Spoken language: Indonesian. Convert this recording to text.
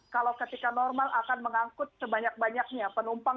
kalau ketika normal akan mengangkut sebanyak banyaknya penumpang